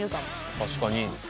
確かに。